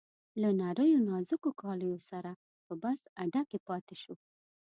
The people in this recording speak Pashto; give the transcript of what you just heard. له نریو نازکو کالیو سره په بس اډه کې پاتې شو.